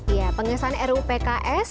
iya pengesahan ruupks